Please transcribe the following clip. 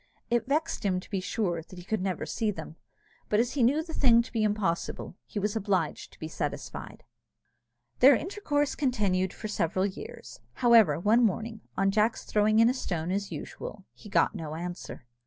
It vexed him, to be sure, that he could never see them; but as he knew the thing to be impossible, he was obliged to be satisfied. Their intercourse continued for several years. However, one morning, on Jack's throwing in a stone as usual, he got no answer.